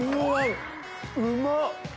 うまっ！